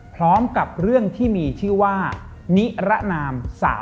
พร้อมกับเรื่องที่มีชื่อว่านิระนาม๓